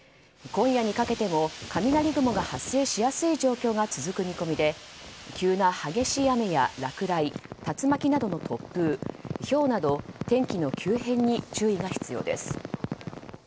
今夜にかけても雷雲が発生しやすい状況が続く見込みで急な激しい雨や落雷竜巻などの突風、ひょうなど天気の急変に注意が必要です。